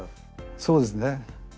そうですね。